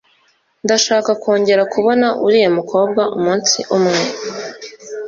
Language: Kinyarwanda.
Ndashaka kongera kubona uriya mukobwa umunsi umwe.